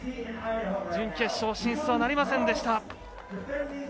準決勝進出はなりませんでした。